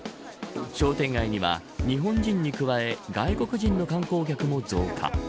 商店街には日本人に加え外国人の観光客も増加。